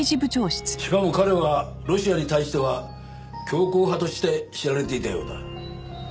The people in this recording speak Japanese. しかも彼はロシアに対しては強硬派として知られていたようだ。